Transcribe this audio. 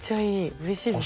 うれしいですね。